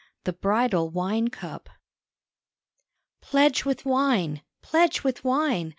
THE BRIDAL WINE CUP "Pledge with wine! Pledge with wine!"